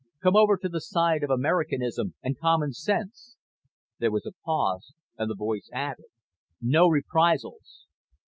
Come over to the side of Americanism and common sense." There was a pause, and the voice added: "No reprisals."